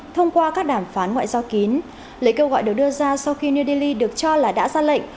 thông qua các đàm phán ngoại giao kín lấy kêu gọi được đưa ra sau khi new delhi được cho là đã ra lệnh